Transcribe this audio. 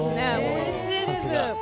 おいしいです。